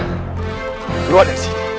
keluar dari sini